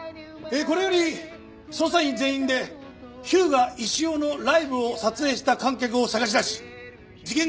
えーこれより捜査員全員で日向石雄のライブを撮影した観客を捜し出し事件